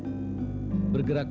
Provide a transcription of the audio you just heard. kita ada mungkin rrada